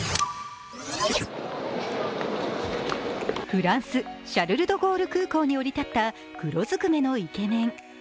フランス、シャルル・ド・ゴール空港に降り立った黒ずくめのイケメン。